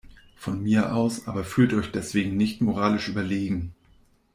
Von mir aus, aber fühlt euch deswegen nicht moralisch überlegen.